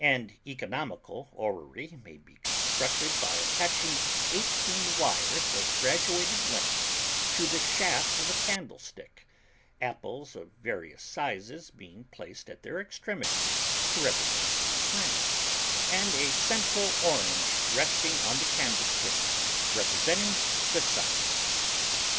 An economical orrery may be constructed by attaching eighteen wires of graduated lengths to the shaft of a candlestick, apples of different sizes being placed at their extremities to represent the Planets, and a central orange resting on the candlestick, representing the Sun.